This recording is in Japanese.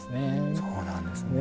そうなんですね。